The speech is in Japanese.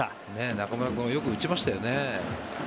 中村君よく打ちましたよね。